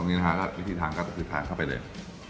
นี้นะฮะวิธีทางก็คือทานเข้าไปเลย